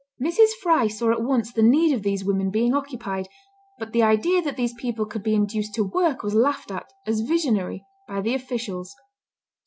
Mrs. Fry saw at once the need of these women being occupied, but the idea that these people could be induced to work was laughed at, as visionary, by the officials.